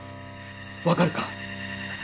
分かるか？